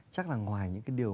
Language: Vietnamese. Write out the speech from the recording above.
chắc là ngoài những cái điều